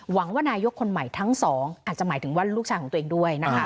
ว่านายกคนใหม่ทั้งสองอาจจะหมายถึงว่าลูกชายของตัวเองด้วยนะคะ